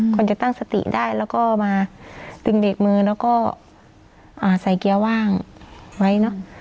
ควรจะตั้งสติได้แล้วก็มาตึงเด็กมือแล้วก็ใส่เกี้ยว่างไว้